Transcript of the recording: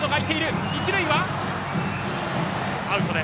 一塁はアウト。